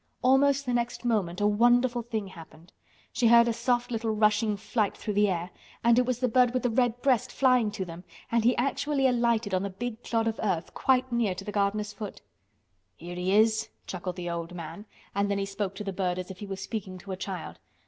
Almost the next moment a wonderful thing happened. She heard a soft little rushing flight through the air—and it was the bird with the red breast flying to them, and he actually alighted on the big clod of earth quite near to the gardener's foot. "Here he is," chuckled the old man, and then he spoke to the bird as if he were speaking to a child.